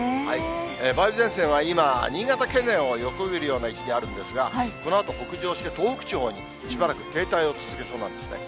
梅雨前線は今、新潟県内を横切るような位置にあるんですが、このあと北上して、東北地方にしばらく停滞を続けそうなんですね。